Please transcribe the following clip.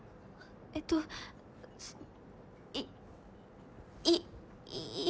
えっと胃胃いい。